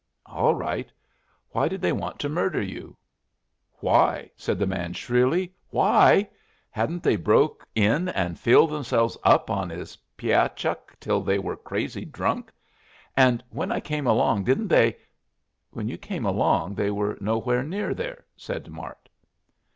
"All right. Why did they want to murder you?" "Why?" said the man, shrilly. "Why? Hadn't they broke in and filled themselves up on his piah chuck till they were crazy drunk? And when I came along didn't they " "When you came along they were nowhere near there," said Mart.